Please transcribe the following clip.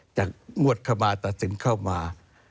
จากงวดเข้ามาตัดสินเข้ามา